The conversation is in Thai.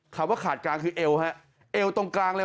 คำว่าขาดกลางคือเอวฮะเอวตรงกลางเลย